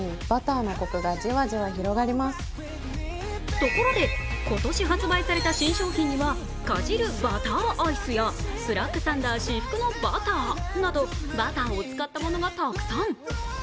ところで、今年発売された新商品にはかじるバターアイスやブラックサンダー至福のバターなどバターを使ったものがたくさん。